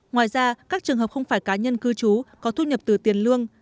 ngoài ra các trường hợp không phải cá nhân cư trú có thu nhập từ tiền lương